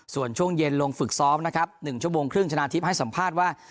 ส่วนช่วงเย็นลงฝึกซ้อมนะครับ๑ชั่วโมงครึ่งชนะทิพย์ให้สัมภาษณ์ว่า